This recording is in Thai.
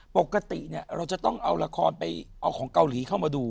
ปกติเราจะต้องเอาละครไปเอาของเกาหลีเข้ามาดู